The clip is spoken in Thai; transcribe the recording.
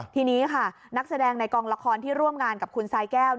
ทีนี้ค่ะนักแสดงในกองละครที่ร่วมงานกับคุณสายแก้ว